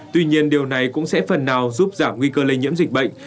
tuy nhiên điều này cũng sẽ phần nào giúp giảm nguy cơ lây nhiễm dịch bệnh